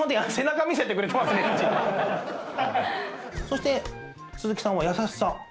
そして鈴木さんは優しさ。